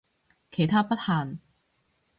其他不限